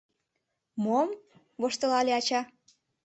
— Мом? — воштылале ача.